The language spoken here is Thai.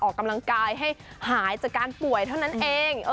ออกกำลังกายให้หายจากการป่วยเท่านั้นเอง